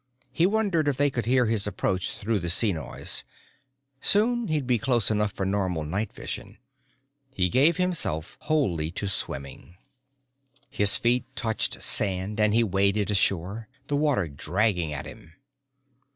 He wondered if they could hear his approach through the sea noise. Soon he'd be close enough for normal night vision. He gave himself wholly to swimming. His feet touched sand and he waded ashore, the water dragging at him.